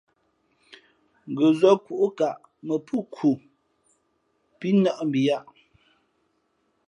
Ngα̌ zά kūʼkaʼ mα pō khu pí nάʼ mbiyāʼ.